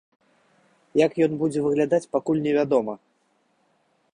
Як ён будзе выглядаць, пакуль невядома.